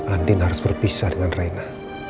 andin harus berpisah dengan reina